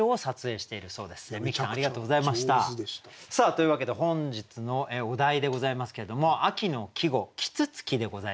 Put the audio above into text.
というわけで本日のお題でございますけれども秋の季語「啄木鳥」でございます。